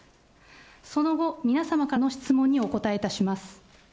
その後、皆様からの質問にお答えいたします。